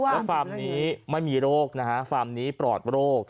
แล้วฟาร์มนี้ไม่มีโรคนะฮะฟาร์มนี้ปลอดโรค